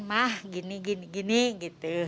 mah gini gini gitu